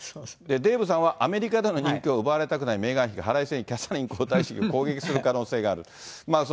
デーブさんは、アメリカでの人気を奪われたくないメーガン妃が腹いせにキャサリン皇太子妃を攻撃する可能性がある。